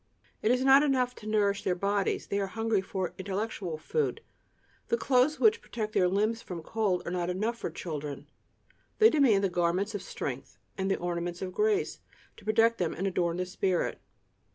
It is not enough to nourish their bodies: they are hungry for intellectual food; the clothes which protect their limbs from the cold are not enough for children: they demand the garments of strength and the ornaments of grace to protect and adorn the spirit.